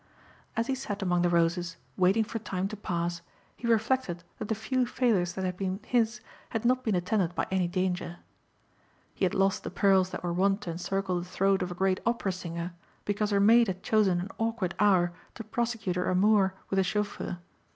As he sat among the roses waiting for time to pass he reflected that the few failures that had been his had not been attended by any danger. He had lost the pearls that were wont to encircle the throat of a great opera singer because her maid had chosen an awkward hour to prosecute her amour with a chauffeur.